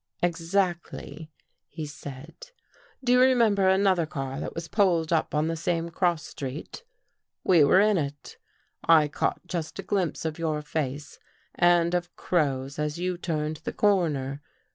" Exactly," he said. " Do you remember another car that was pulled up on the same cross street? We were in it. I caught just a glimpse of your face and of Crow's as you turned the cor ner.